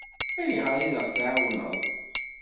Ayɣer i d-aɣ-tɛawneḍ?